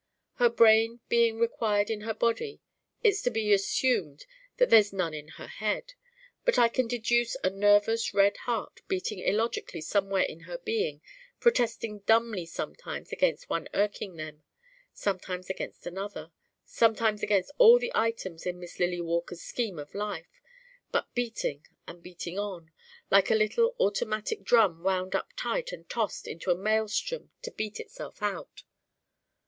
Her brain being required in her body it's to be assumed there's none in her head. But I can deduce a nervous red heart beating illogically somewhere in her being protesting dumbly sometimes against one irking item, sometimes against another, sometimes against all the items in Miss Lily Walker's scheme of life, but beating and beating on, like a little automatic drum wound up tight and tossed into a maelstrom to beat itself out.